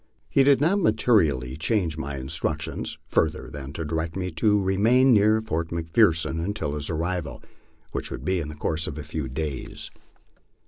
He did not materially change my instructions, further than to direct me to remain near Fort McPherson until his arrival, which would be in the course of a few days.